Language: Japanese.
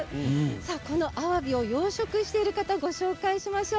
このあわびを養殖している方をご紹介しましょう。